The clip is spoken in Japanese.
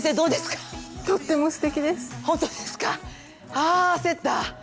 あ焦った。